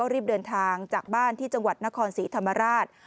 รีบเดินทางจากบ้านที่จังหวัดนครศรีธรรมราช